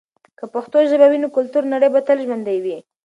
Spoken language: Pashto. که پښتو ژبه وي، نو کلتوري نړی به تل ژوندي وي.